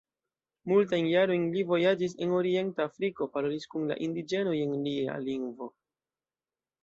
Multajn jarojn li vojaĝis en orienta Afriko, parolis kun la indiĝenoj en ilia lingvo.